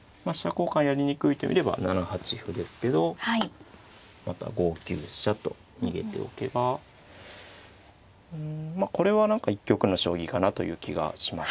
交換やりにくいと見れば７八歩ですけどまた５九飛車と逃げておけばうんまあこれは何か一局の将棋かなという気がします。